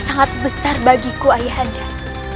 sangat besar bagiku ayah anda